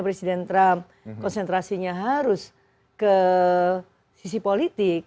presiden trump konsentrasinya harus ke sisi politik